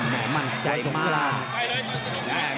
แหม่มั่งใจสงบลา